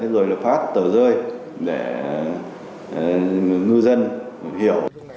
rồi phát tờ rơi để ngư dân hiểu